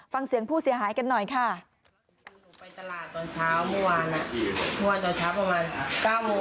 ฟังเสียงผู้เสียหายกันหน่อยค่ะ